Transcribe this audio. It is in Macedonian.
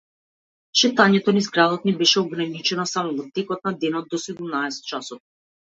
Шетањето низ градот ни беше ограничено само во текот на денот до седумнаесет часот.